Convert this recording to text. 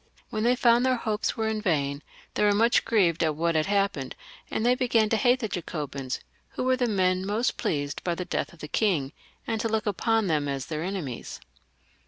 When they found their hopes were vain they were much grieved at what had happened, and they began to hate the Jacobins, who were the men most pleased by the death of the king, and to look upon them as their enemies.